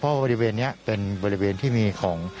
เพราะบริเวณนี้เป็นบริเวณที่มีของ